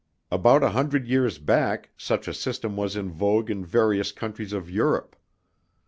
About a hundred years back, such a system was in vogue in various countries of Europe.